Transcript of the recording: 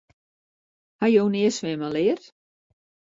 Ha jo nea swimmen leard?